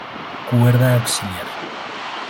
Cuerda auxiliar.